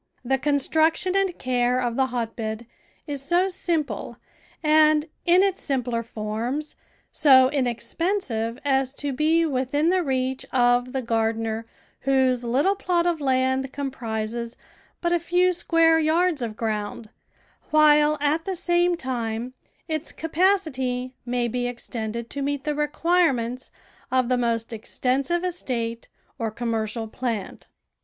The construction and care of the hotbed is so simple and, in its simpler forms, so inexpensive as to be within the reach of the gar dener whose little plot of land comprises but a few square yards of ground, while at the same time its capacity may be extended to meet the requirements of the most extensive estate or commercial plant.